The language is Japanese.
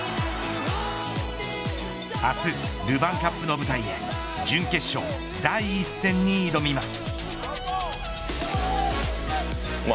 明日ルヴァンカップの舞台へ準決勝、第１戦に挑みます。